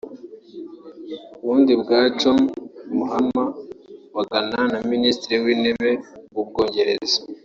ubundi bwa John Mahama wa Ghana na Minisitiri w’Intebe w’u Bwongereza